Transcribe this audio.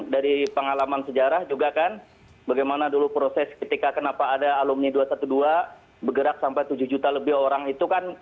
dari pengalaman sejarah juga kan bagaimana dulu proses ketika kenapa ada alumni dua ratus dua belas bergerak sampai tujuh juta lebih orang itu kan